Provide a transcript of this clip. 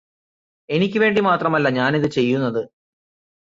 എനിക്ക് വേണ്ടി മാത്രമല്ല ഞാനിത് ചെയ്യുന്നത്